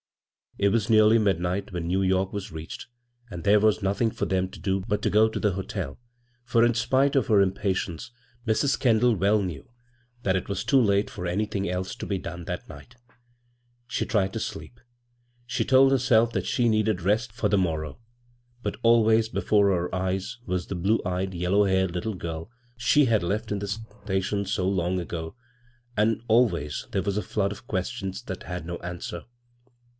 It was neariy midnight when New York was reached, and there was nothing for them to do but to go to the hotel ; for, in ^ite of her impatience, Mrs. Kendall well knew that it was too late for anything else to be done that night She tried to sleep. She told herself that she needed rest for the morrow ; but always before her eyes was the blue eyed, yellow haired Uttle girl she had left in the station so long ago, and always there was a flood of questions that had no answer.